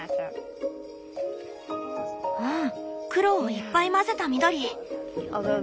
うん黒をいっぱい混ぜた緑。